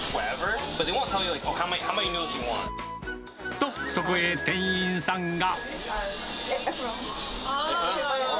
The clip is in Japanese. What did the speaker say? と、そこへ店員さんが。